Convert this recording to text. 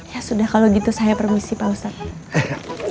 ya sudah kalau gitu saya permisi pak ustadz